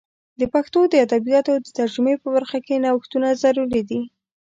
د پښتو د ادبیاتو د ترجمې په برخه کې نوښتونه ضروري دي.